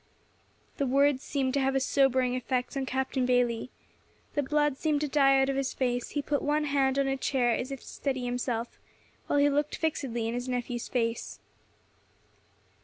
The words seemed to have a sobering effect on Captain Bayley. The blood seemed to die out of his face; he put one hand on a chair, as if to steady himself, while he looked fixedly in his nephew's face.